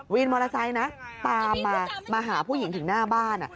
มอเตอร์ไซค์นะตามมามาหาผู้หญิงถึงหน้าบ้าน